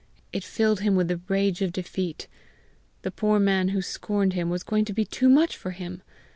It filled him with the rage of defeat. The poor man who scorned him was going to be too much for him!